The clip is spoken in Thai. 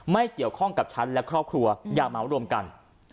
ไม่เกี่ยวข้องกับฉันและครอบครัวอย่าเหมารวมกัน